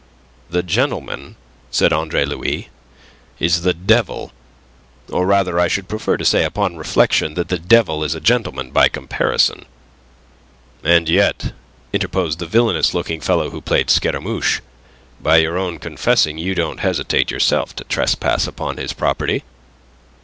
"The gentleman," said Andre Louis, "is the devil; or rather, I should prefer to say upon reflection, that the devil is a gentleman by comparison." "And yet," interposed the villainous looking fellow who played Scaramouche, "by your own confessing you don't hesitate, yourself, to trespass upon his property."